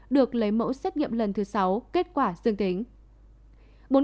được lấy mẫu xét nghiệm lần thứ sáu kết quả dương tính